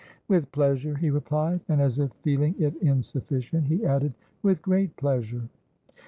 "With pleasure," he replied; and, as if feeling it insufficient, he added, "with great pleasure!"